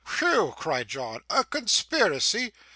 'Whew!' cried John, 'a conspiracy!